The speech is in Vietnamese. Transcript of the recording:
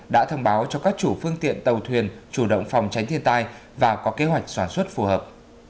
đã thông báo cho các chủ phương tiện tàu thuyền chủ động phòng tránh thiên tai và có kế hoạch sản xuất phù hợp